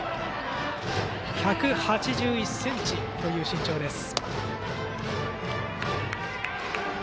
１８１ｃｍという身長です。